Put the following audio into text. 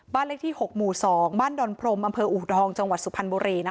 เลขที่๖หมู่๒บ้านดอนพรมอำเภออูทองจังหวัดสุพรรณบุรี